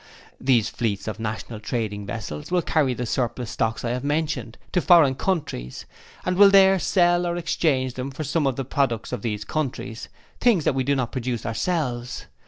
These fleets of National trading vessels will carry the surplus stocks I have mentioned, to foreign countries, and will there sell or exchange them for some of the products of those countries, things that we do not produce ourselves.